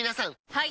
はい！